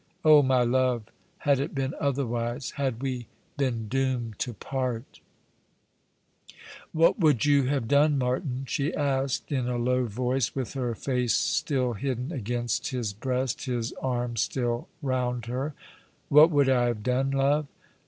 Oh, my love, had it been otherwise I Had we been doomed to part !"" What would you have done, Martin ?" she asked, in a low voice, with her face still hidden against his breast, his arms still round her. "What would I have done, love?